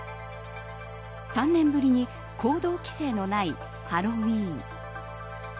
３年ぶりに行動規制のないハロウィーン。